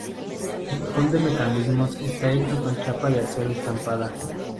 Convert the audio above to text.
Su cajón de mecanismos está hecho con chapa de acero estampada.